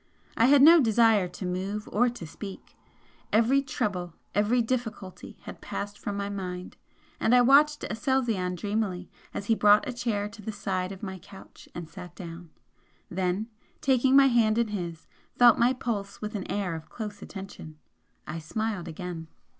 I had no desire to move or to speak, every trouble, every difficulty had passed from my mind, and I watched Aselzion dreamily as he brought a chair to the side of my couch and sat down then, taking my hand in his, felt my pulse with an air of close attention. I smiled again.